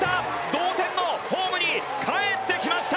同点のホームに帰ってきました。